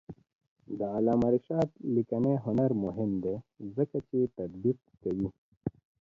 د علامه رشاد لیکنی هنر مهم دی ځکه چې تطبیق کوي.